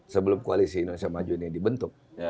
sebelum koalisi indonesia maju ini dibentuk